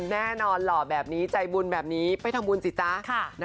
แน่นอนหล่อแบบนี้ใจบุญแบบนี้ไปทำบุญสิจ๊ะ